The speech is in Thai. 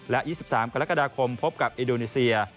และ๒๓กรกฎาคมพบกับอินโดนีเซีย